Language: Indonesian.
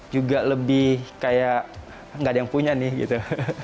juga lebih kayak gak ada yang punya nih gitu